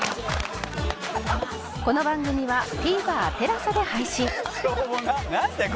この番組は ＴＶｅｒＴＥＬＡＳＡ で配信なんだよ